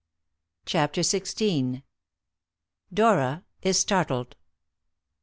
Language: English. CHAPTER XVI. DORA IS STARTLED.